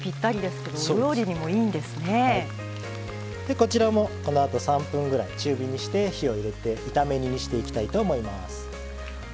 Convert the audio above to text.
こちらもこのあと３分ぐらい中火にして火を入れて炒め煮にしていきたいと思います。